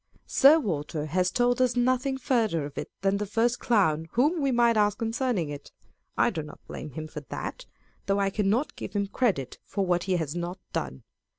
Sir Walter has told us nothing farther of it than the first clown whom we might ask concerning it. I do not blame him for that, though I cannot give him credit for what he has not done.